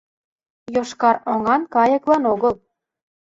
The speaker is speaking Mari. Йошкар оҥан кайыклан огыл